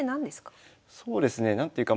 そうですね何ていうか